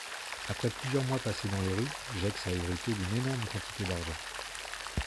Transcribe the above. Après plusieurs mois passés dans les rues, Gex a hérité d'une énorme quantité d'argent.